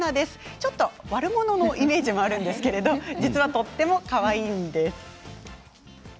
ちょっと悪者のイメージがあるんですけれど実はとってもかわいいんです。